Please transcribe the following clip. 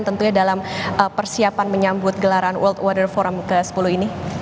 tentunya dalam persiapan menyambut gelaran world water forum ke sepuluh ini